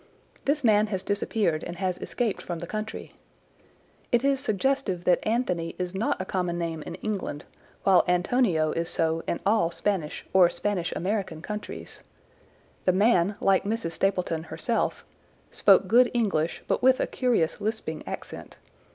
This man has disappeared and has escaped from the country. It is suggestive that Anthony is not a common name in England, while Antonio is so in all Spanish or Spanish American countries. The man, like Mrs. Stapleton herself, spoke good English, but with a curious lisping accent.